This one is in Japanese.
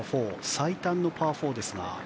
最短のパー４ですが。